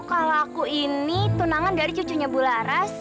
kalau aku ini tunangan dari cucunya bularas